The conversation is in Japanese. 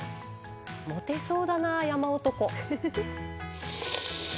モテそうだな山男。